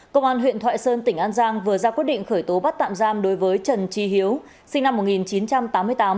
công an huyện thoại sơn tỉnh an giang vừa ra quyết định khởi tố bắt tạm giam đối với trần trí hiếu sinh năm một nghìn chín trăm tám mươi tám